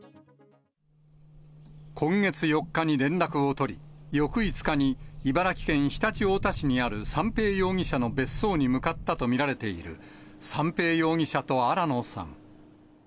今月４日に連絡を取り、翌５日に、茨城県常陸太田市にある三瓶容疑者の別荘に向かったと見られている、三瓶容疑者と新野さん。